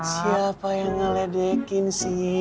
siapa yang ngeledekin sih